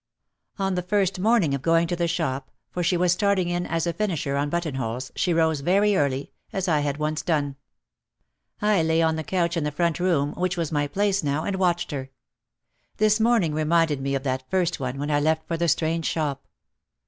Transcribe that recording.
On the first morning of going to the shop, for she was starting in as a finisher on buttonholes, she rose very early, as I had once done. I lay on the couch in the front room, which was my place now, and watched her. This morning reminded me of that first one when I left for the strange shop.